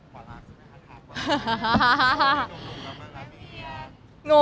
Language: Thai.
ขอลักษณ์คุณท่านครับ